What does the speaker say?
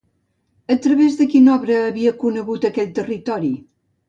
A través de quina obra havia conegut aquell territori?